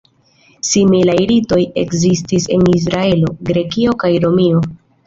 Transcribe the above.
Similaj ritoj ekzistis en Israelo, Grekio kaj Romio.